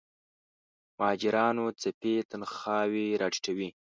مهاجرانو څپې تنخواوې راټیټوي.